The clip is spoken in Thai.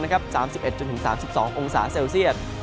๓๑๓๒องศาเซลเซียต